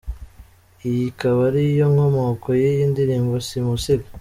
Iyi akaba ari yo nkomoko y’iyi ndirimbo ‘Simusiga’.